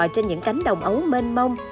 trên những cánh đồng ấu mênh mông